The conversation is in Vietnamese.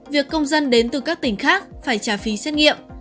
việc công dân đến từ các tỉnh khác phải trả phí xét nghiệm